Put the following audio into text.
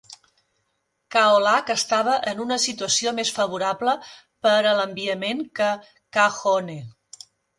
Kaolack estava en una situació més favorable per a l'enviament que Kahone.